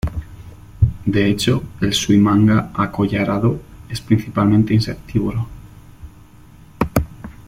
De hecho, el suimanga acollarado es principalmente insectívoro.